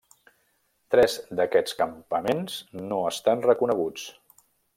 Tres d'aquests campaments no estan reconeguts.